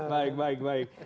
baik baik baik